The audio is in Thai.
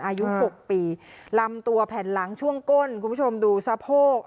อายุ๖ปีลำตัวแผ่นหลังช่วงก้นคุณผู้ชมดูสะโพก